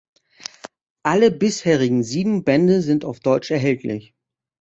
Alle bisherigen sieben Bände sind auf Deutsch erhältlich.